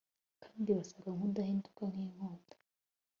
Kandi wasaga nkudahinduka nkinkota